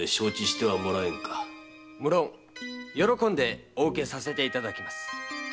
無論喜んでお受けさせていただきます。